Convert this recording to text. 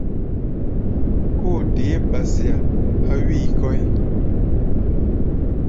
Kóo deé ba-sea há̧ wíi kɔ́ʼi.